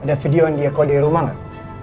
ada video yang dia kode rumah gak